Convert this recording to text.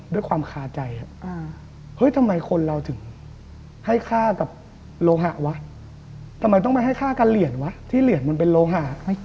โดยความสงสัยของเข้า